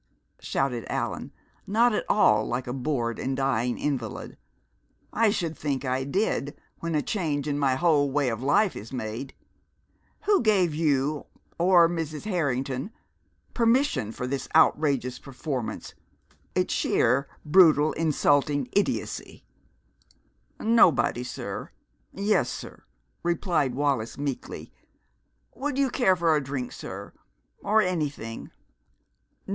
shouted Allan, not at all like a bored and dying invalid. "I should think I did, when a change in my whole way of life is made! Who gave you, or Mrs. Harrington, permission for this outrageous performance! It's sheer, brutal, insulting idiocy!" "Nobody, sir yes, sir," replied Wallis meekly. "Would you care for a drink, sir or anything?"